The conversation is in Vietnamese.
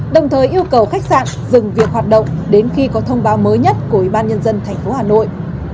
đồng thời yêu cầu khách sạn dừng việc hoạt động đến khi có thông báo mới nhất của ubnd tp hà nội